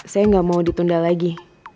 saya nggak mau ditunda lagi